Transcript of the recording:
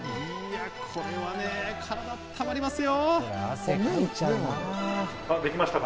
これはね、体があったまりますよ。